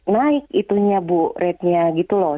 naik itunya bu ratenya gitu loh